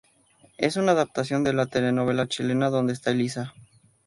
Es una adaptación de la telenovela chilena "¿Dónde está Elisa?".